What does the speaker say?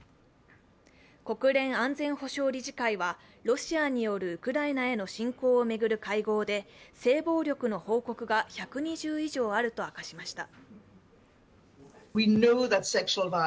国連安全保障理事会はロシアによるウクライナへの侵攻を巡る会合で性暴力の報告が１２０以上あると明かしました。